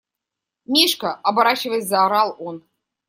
– Мишка! – оборачиваясь, заорал он.